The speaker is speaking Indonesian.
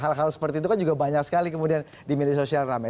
hal hal seperti itu kan juga banyak sekali kemudian di media sosial rame